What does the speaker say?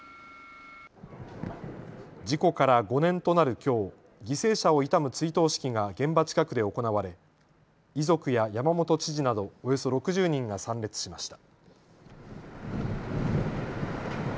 事故から５年となるきょう、犠牲者を悼む追悼式が現場近くで行われ遺族や山本知事などおよそ６０人が参列しました。